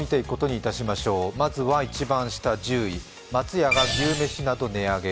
まずは一番下、１０位、松屋が牛めしなど値上げ。